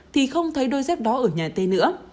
thì không thấy đôi dép đó ở nhà tê nữa